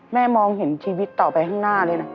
มองเห็นชีวิตต่อไปข้างหน้าเลยนะ